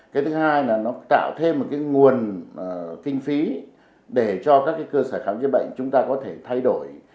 cái thứ hai là nó tạo thêm một cái nguồn kinh phí để cho các cơ sở khám chữa bệnh chúng ta có thể thay đổi